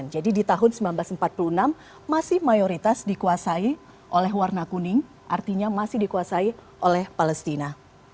jadi di tahun seribu sembilan ratus empat puluh enam masih mayoritas dikuasai oleh warna kuning artinya masih dikuasai oleh palestina